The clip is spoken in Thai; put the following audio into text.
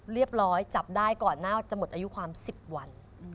จับได้ก่อนหน้าจะหมดอายุความ๑๐วัน